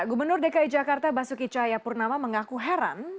gubernur dki jakarta basuki cahaya purnama mengaku heran